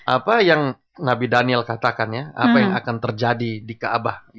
apa yang nabi daniel katakan ya apa yang akan terjadi di kaabah